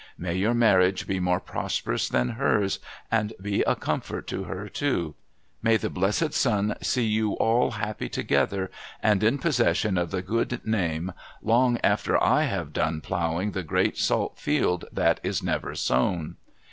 May your marriage be more prosperous than hers, and be a comfort to her too. May the blessed sun see you all happy together, in possession of the good name, long after I have done ploughing the great salt field that is never sown